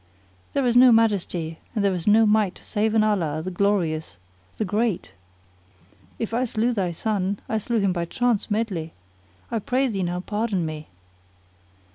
There is no Majesty, and there is no Might save in Allah, the Glorious, the Great! If I slew thy son, I slew him by chance medley. I pray thee now pardon me."